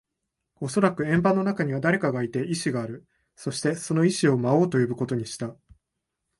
おそらく円盤の中には誰かがいて、意志がある。そして、その意思を魔王と呼ぶことにした。